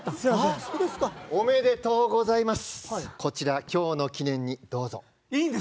おめでとうございます。